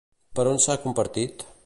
Per on s'ha compartit?